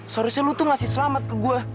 seharusnya lu tuh ngasih selamat ke gua